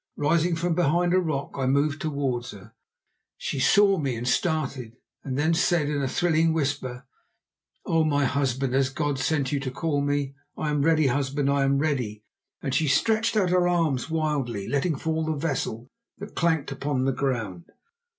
Rising from behind a rock I moved towards her. She saw me and started, then said in a thrilling whisper: "Oh! husband, has God sent you to call me? I am ready, husband, I am ready!" and she stretched out her arms wildly, letting fall the vessel, that clanked upon the ground.